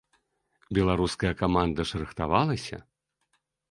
Беларуская каманда ж рыхтавалася?